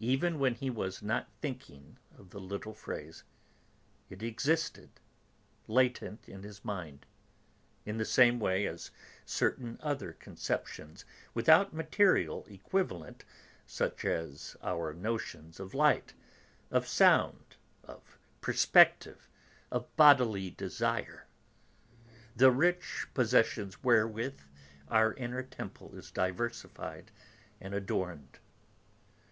Even when he was not thinking of the little phrase, it existed, latent, in his mind, in the same way as certain other conceptions without material equivalent, such as our notions of light, of sound, of perspective, of bodily desire, the rich possessions wherewith our inner temple is diversified and adorned.